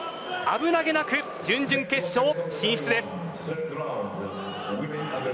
危なげなく準々決勝進出です。